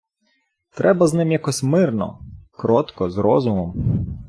Треба з ним якось мирно, кротко, з розумом...